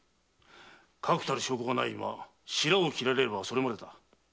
確たる証拠がないままシラを切られればそれまでだ。